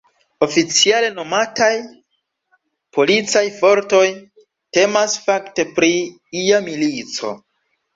Oficiale nomataj "policaj fortoj", temas fakte pri ia milico.